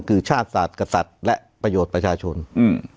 คือชาติศาสตร์กษัตริย์และประโยชน์ประชาชนอืม